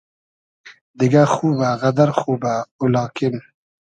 دیگۂ خوبۂ غئدئر خوبۂ او لاکین